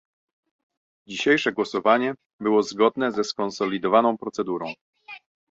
Dzisiejsze głosowanie było zgodne ze skonsolidowaną procedurą